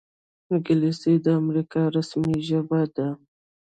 انګلیسي د امریکا رسمي ژبه ده